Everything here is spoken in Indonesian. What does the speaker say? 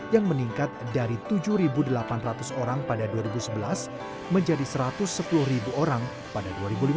yang meningkat dari tujuh delapan ratus orang pada dua ribu sebelas menjadi satu ratus sepuluh orang pada dua ribu lima belas